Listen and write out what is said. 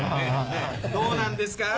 どうなんですか？